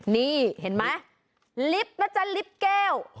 นี่เห็นไหมลิฟต์นะจ๊ะลิฟต์แก้ว